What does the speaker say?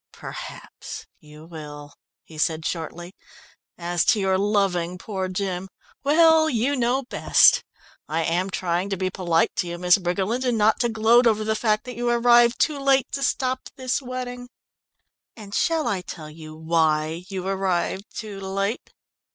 "Perhaps you will," he said shortly. "As to your loving poor Jim well, you know best. I am trying to be polite to you, Miss Briggerland, and not to gloat over the fact that you arrived too late to stop this wedding! And shall I tell you why you arrived too late?"